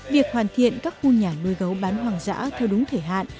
việc hoàn thiện các khu nhà nuôi gấu bán hoàng dã theo đúng thời hạn